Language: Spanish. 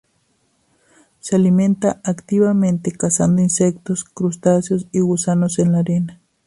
Se alimentan activamente cazando insectos, crustáceos y gusanos en la arena.